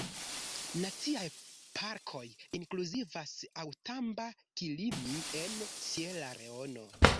Naciaj parkoj inkluzivas "Outamba-Kilimi" en Sieraleono.